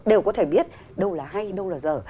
đều có thể biết đâu là hay đâu là giờ